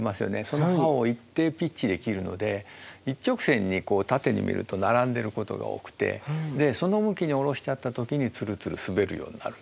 その刃を一定ピッチで切るので一直線に縦に見ると並んでることが多くてその向きにおろしちゃった時にツルツル滑るようになる。